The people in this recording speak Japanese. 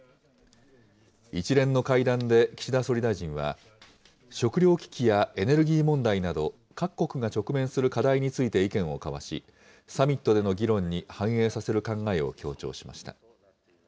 一連の会談で岸田総理大臣は、食料危機やエネルギー問題など、各国が直面する課題について意見を交わし、サミットでの議論に反映させる考えを強調しました。